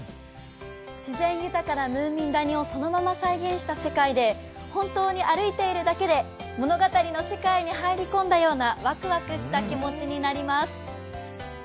自然豊かなムーミン谷をそのまま再現した世界で本当に歩いているだけで物語の世界に入り込んだようなワクワクした気持ちになります。